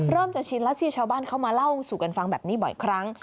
จะชินแล้วสิชาวบ้านเข้ามาเล่าสู่กันฟังแบบนี้บ่อยครั้ง